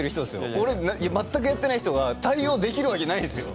俺全くやってない人が対応できるわけないんですよ。